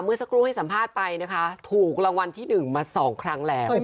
เมื่อสักครู่ให้สัมภาษณ์ไปนะคะถูกรางวัลที่๑มา๒ครั้งแล้ว